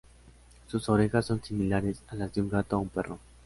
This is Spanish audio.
Sus orejas son similares a las de un gato o un perro.